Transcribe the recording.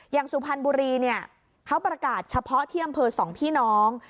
สุพรรณบุรีเนี่ยเขาประกาศเฉพาะที่อำเภอสองพี่น้อง